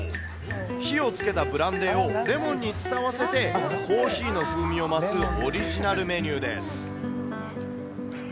火をつけたブランデーをレモンに伝わせて、コーヒーの風味を増す、オリジナルメニューです。